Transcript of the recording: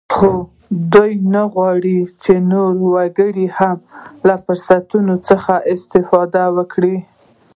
خو دوی نه غواړ چې نور وګړي هم له فرصتونو څخه استفاده وکړي